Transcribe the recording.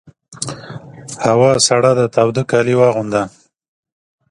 هوا سړه ده تاوده کالي واغونده!